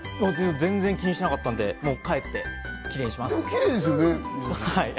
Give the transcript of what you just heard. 全然気にしてなかったんで、帰ってキレイにします。